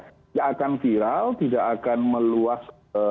tidak akan viral tidak akan meluas